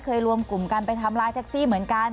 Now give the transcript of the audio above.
รวมกลุ่มกันไปทำร้ายแท็กซี่เหมือนกัน